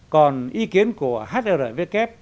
còn ý kiến của hrvk